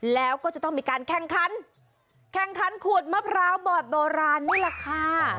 แล้วก็จะต้องมีการแข่งขันแข่งขันขูดมะพร้าวบอดโบราณนี่แหละค่ะ